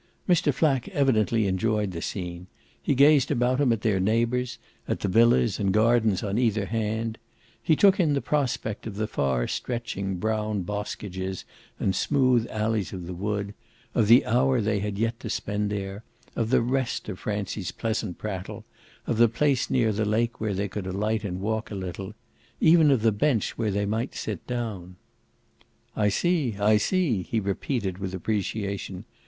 Mr. Flack evidently enjoyed the scene; he gazed about him at their neighbours, at the villas and gardens on either hand; he took in the prospect of the far stretching brown boskages and smooth alleys of the wood, of the hour they had yet to spend there, of the rest of Francie's pleasant prattle, of the place near the lake where they could alight and walk a little; even of the bench where they might sit down. "I see, I see," he repeated with appreciation.